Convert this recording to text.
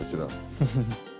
フフフ。